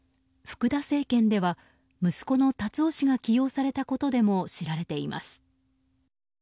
福田政権では、息子の達夫氏が起用されたことでも知られています。